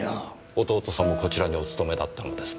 弟さんもこちらにお勤めだったのですねぇ。